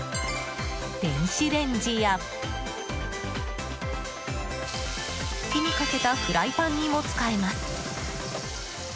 電子レンジや火にかけたフライパンにも使えます。